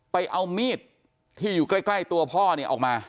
ไปเอามีดที่อยู่ใกล้ตัวพ่อเนี่ยออกมา